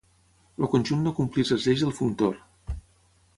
El conjunt no compleix les lleis del Functor.